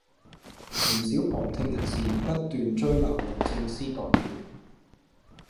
唔少旁聽人士不斷追鬧律政司代表